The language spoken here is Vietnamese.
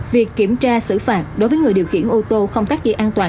việc kiểm tra xử phạt đối với người điều khiển ô tô không tắt ghế an toàn